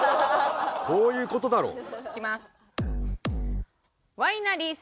こういう事だろ。いきます。